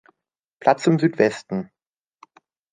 Platz im Südwesten.